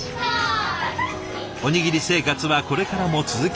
おにぎり生活はこれからも続けるそうです。